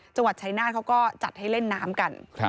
จังหวัดชายนาฏเขาก็จัดให้เล่นน้ำกัน